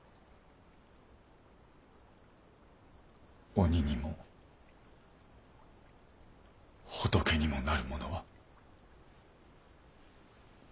鬼にも仏にもなる者は。